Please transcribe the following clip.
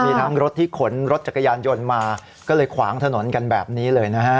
มีทั้งรถที่ขนรถจักรยานยนต์มาก็เลยขวางถนนกันแบบนี้เลยนะฮะ